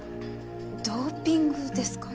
ドーピングですか？